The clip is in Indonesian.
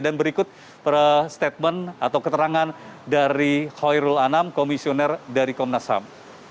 dan berikut perstatement atau keterangan dari khairul anam komisioner dari komnas ham